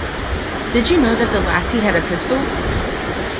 Did you know that the lassie had a pistol?